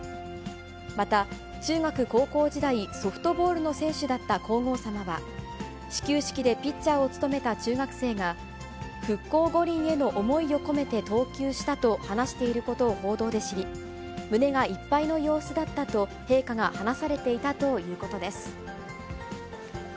また、中学、高校時代、ソフトボールの選手だった皇后さまは、始球式でピッチャーを務めた中学生が、復興五輪への思いを込めて投球したと話していることを報道で知り、胸がいっぱいの様子だったと、陛下が話されていたということです。